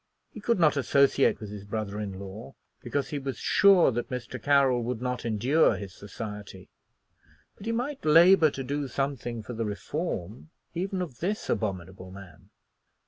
He could not associate with his brother in law, because he was sure that Mr. Carroll would not endure his society; but he might labor to do something for the reform even of this abominable man.